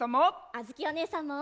あづきおねえさんも！